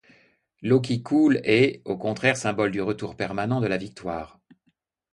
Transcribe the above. L'eau qui coule est, au contraire symbole du retour permanent de la victoire.